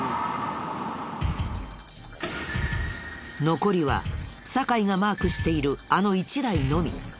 残りは酒井がマークしているあの１台のみ。